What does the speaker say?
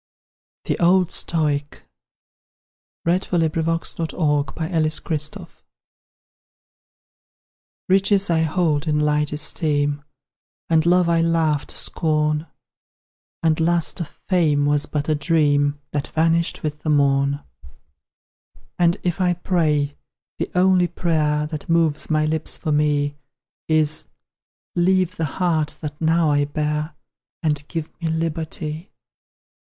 t the tear upon my cheek Evince my gratitude! THE OLD STOIC. Riches I hold in light esteem, And Love I laugh to scorn; And lust of fame was but a dream, That vanished with the morn: And if I pray, the only prayer That moves my lips for me Is, "Leave the heart that now I bear, And give me liberty!"